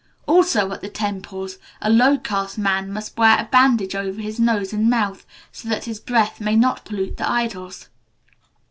Also, at the temples, a low caste man must wear a bandage over his nose and mouth, so that his breath may not pollute the idols.